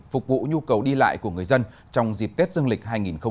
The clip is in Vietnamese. phục vụ nhu cầu đi lại của người dân trong dịp tết dương lịch hai nghìn hai mươi